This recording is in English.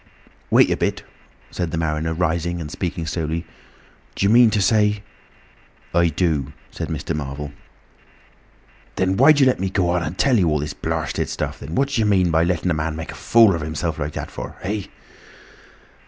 "Wait a bit," said the mariner, rising and speaking slowly, "D'you mean to say—?" "I do," said Mr. Marvel. "Then why did you let me go on and tell you all this blarsted stuff, then? What d'yer mean by letting a man make a fool of himself like that for? Eh?"